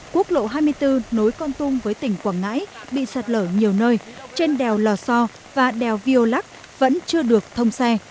quốc lộ hai mươi bốn nối con tum với tỉnh quảng ngãi bị sạt lở nhiều nơi trên đèo lò so và đèo viô lắc vẫn chưa được thông xe